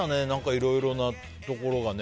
いろいろなところがね。